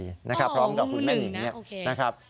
โอ้ย๑น่ะโอเคพร้อมกับคุณแม่หนิงเนี้ยนะครับ